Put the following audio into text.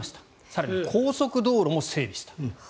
更に高速道路も整備した。